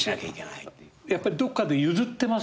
やっぱりどっかで譲ってますよね。